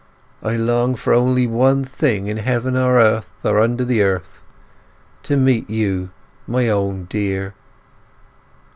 I long for only one thing in heaven or earth or under the earth, to meet you, my own dear!